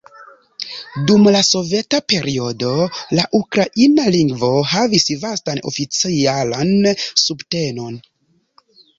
Dum la soveta periodo, la ukraina lingvo havis vastan oficialan subtenon.